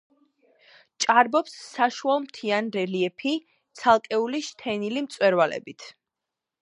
ჭარბობს საშუალმთიანი რელიეფი ცალკეული შთენილი მწვერვალებით.